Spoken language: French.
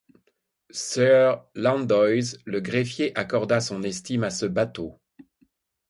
Sieur Landoys, le greffier, accorda son estime à ce bateau.